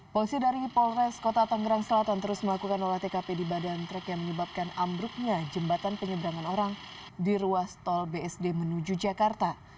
polisi dari polres kota tangerang selatan terus melakukan olah tkp di badan truk yang menyebabkan ambruknya jembatan penyeberangan orang di ruas tol bsd menuju jakarta